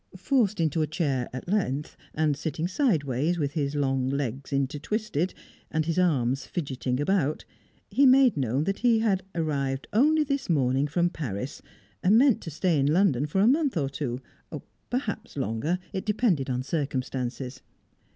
Forced into a chair at length, and sitting sideways, with his long legs intertwisted, and his arms fidgeting about, he made known that he had arrived only this morning from Paris, and meant to stay in London for a month or two perhaps longer it depended on circumstances.